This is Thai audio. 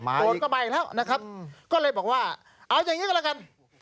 โดดก็มาอีกแล้วนะครับก็เลยบอกว่าเอาอย่างนี้ก็แล้วกัน